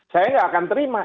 saya tidak akan terima